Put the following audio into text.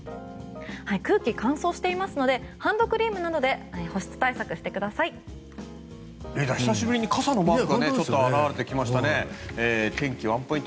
空気が乾燥していますのでハンドクリームなどで保湿対策をしてください。